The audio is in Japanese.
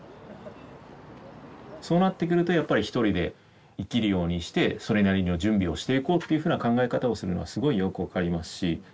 そうなってくるとやっぱりひとりで生きるようにしてそれなりの準備をしていこうというふうな考え方をするのはすごいよく分かりますし。